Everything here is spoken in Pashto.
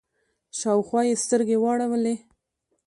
شاوخوا يې سترګې واړولې.